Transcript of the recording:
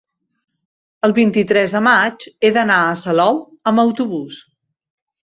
el vint-i-tres de maig he d'anar a Salou amb autobús.